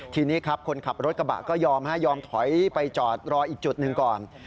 ทีนี้ครับคนขับรถกระบะก็ยอมยอมถอยไปจอดรออีกจุดหนึ่งก่อน